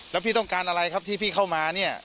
แล้วพี่ต้องการอะไรครับที่พี่เข้ามาเนี่ย